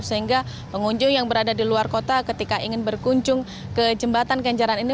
sehingga pengunjung yang berada di luar kota ketika ingin berkunjung ke jembatan kenjaran ini